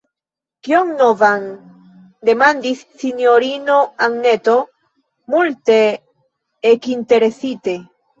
« Kion novan? » demandis sinjorino Anneto multe ekinteresite.